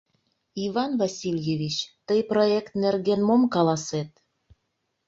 Иван Васильевич, тый проект нерген мом каласет?